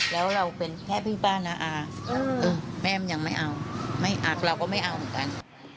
แล้วเราเป็นแค่พี่ป้าน้าอาแม่มันยังไม่เอาไม่อักเราก็ไม่เอาเหมือนกัน